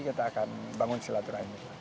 kita akan bangun selaturannya